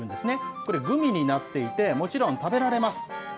これ、グミになっていて、もちろん、食べられます。